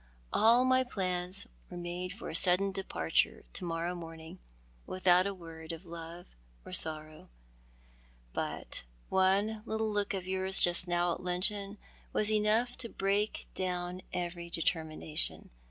All my plans were made for a sudden departure to morrow morning, without a word of love or sorrow; but one little look of 'yours jnst now at luncheon was enough to break down every determination.